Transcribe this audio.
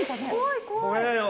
怖えよ